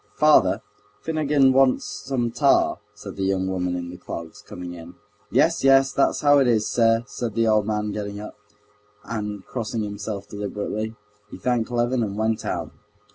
"Father, Finogen wants some tar," said the young woman in the clogs, coming in. "Yes, yes, that's how it is, sir!" said the old man, getting up, and crossing himself deliberately, he thanked Levin and went out.